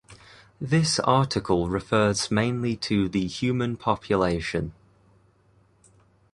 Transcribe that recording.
This article refers mainly to the human population.